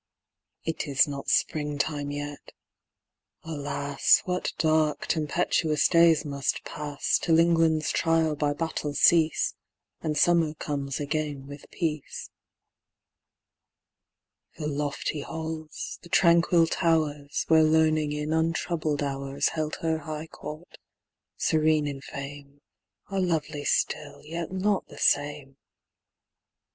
It is not springtime yet. Alas, What dark, tempestuous days must pass, Till England's trial by battle cease, And summer comes again with peace. The lofty halls, the tranquil towers, Where Learning in untroubled hours Held her high court, serene in fame, Are lovely still, yet not the same.